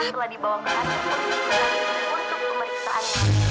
yang diduga menjadi tangan kanannya pw atas pembunuhan